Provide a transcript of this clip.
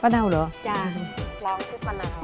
กะนาวเหรอจะลองซื้อกะนาว